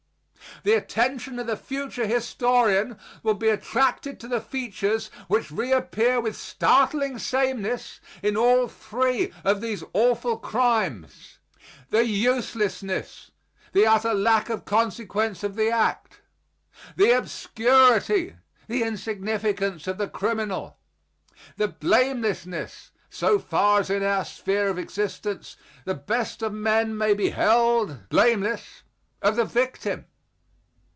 The attention of the future historian will be attracted to the features which reappear with startling sameness in all three of these awful crimes: the uselessness, the utter lack of consequence of the act; the obscurity, the insignificance of the criminal; the blamelessness so far as in our sphere of existence the best of men may be held blameless of the victim.